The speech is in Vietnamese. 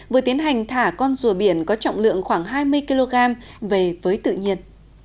vừa tiến hành thả con rùa biển có trọng lượng khoảng hai mươi kg về với tự nhiên